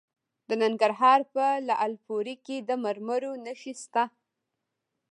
د ننګرهار په لعل پورې کې د مرمرو نښې شته.